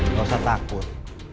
nggak usah takut